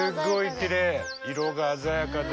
色が鮮やかで。